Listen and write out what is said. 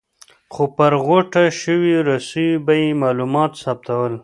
خو پر غوټه شویو رسیو به یې معلومات ثبتول.